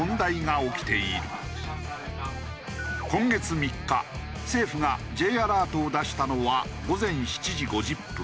今月３日政府がＪアラートを出したのは午前７時５０分。